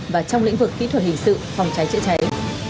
và trong lĩnh vực kỹ thuật hình sự phòng cháy chữa cháy